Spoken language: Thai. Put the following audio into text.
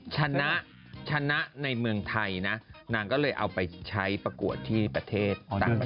ชนะชนะในเมืองไทยนะนางก็เลยเอาไปใช้ประกวดที่ประเทศต่างประเทศ